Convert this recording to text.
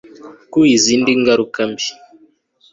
ku zindi ngaruka mbi